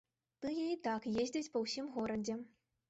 Тыя і так ездзяць па ўсім горадзе.